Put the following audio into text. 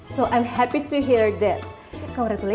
jadi saya senang mendengarnya